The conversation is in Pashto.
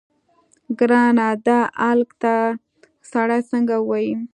ګرانه دا الک ته سړی څنګه ووايي.